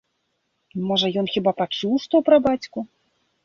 Можа, ён хіба пачуў што пра бацьку.